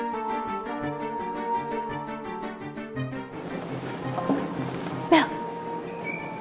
bel apa salah jawabannya gak semua